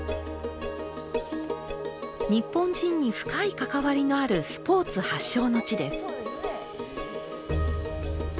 日本人に深い関わりのあるスポーツ発祥の地です。